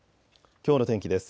きょうの天気です。